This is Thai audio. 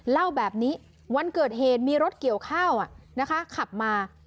เล่าแบบนี้วันเกิดเหตุมีรถเกี่ยวข้าวนะคะขับมา